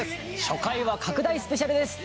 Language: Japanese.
初回は拡大スペシャルです。